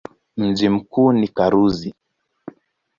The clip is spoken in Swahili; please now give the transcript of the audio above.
Mji mkuu ni Karuzi.